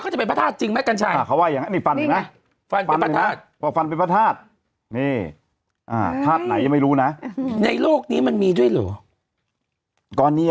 เขาจะเป็นพระธาตุจริงไหมกัญชัยเขาว่าอย่างนั้นนี่ฟันเห็นไหม